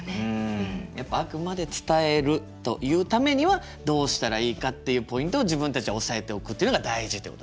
やっぱあくまで伝えるというためにはどうしたらいいかっていうポイントを自分たちは押さえておくっていうのが大事ってことですね。